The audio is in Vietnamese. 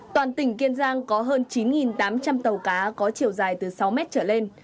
toàn tỉnh kiên giang có hơn chín tám trăm linh tàu cá có chiều dài từ sáu mét trở lên